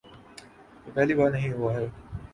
یہ پہلی بار نہیں ہوا۔